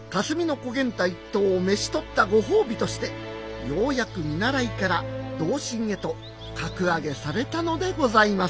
小源太一党を召し捕ったご褒美としてようやく見習いから同心へと格上げされたのでございます。